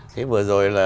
thế vừa rồi là